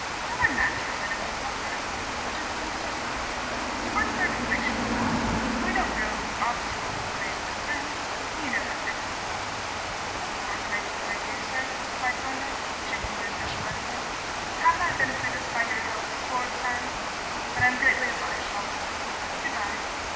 "Not our natural enemies, doctor," protested Mr. Singleton. "We work for a conviction, of course, but we don't throw obstacles in the way of the defence. You know that perfectly well." "Of course I do, my dear sir," replied Thorndyke, shaking the official by the hand. "Haven't I benefited by your help a score of times? But I am greatly obliged all the same. Good bye."